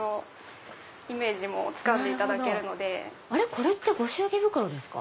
これってご祝儀袋ですか？